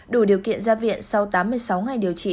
đủ điều kiện ra viện sau tám mươi sáu ngày điều trị